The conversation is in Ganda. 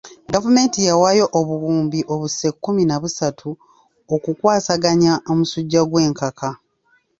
Gavumenti yawaayo obuwumbi obuse kkumi na busatu okukwasaganya omusujja gw'enkaka.